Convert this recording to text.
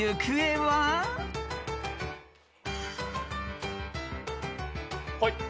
はい。